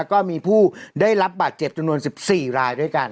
ก็มีผู้ได้รับบาดเจ็บจำนวน๑๔รายด้วยกัน